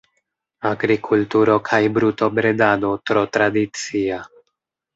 Agrikulturo kaj brutobredado tro tradicia.